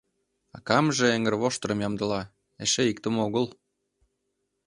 Акамже эҥырвоштырым ямдыла — эше иктым огыл.